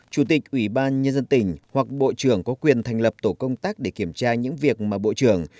chủ tịch ủy ban nhân dân tỉnh hoặc bộ trưởng có quyền thành lập tổ công tác để kiểm tra những việc mà bộ trưởng